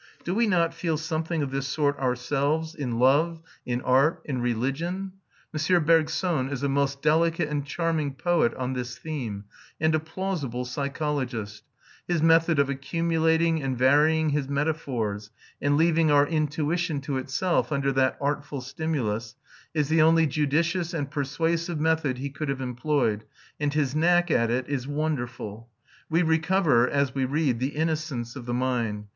Do we not feel something of this sort ourselves in love, in art, in religion? M. Bergson is a most delicate and charming poet on this theme, and a plausible psychologist; his method of accumulating and varying his metaphors, and leaving our intuition to itself under that artful stimulus, is the only judicious and persuasive method he could have employed, and his knack at it is wonderful. We recover, as we read, the innocence of the mind.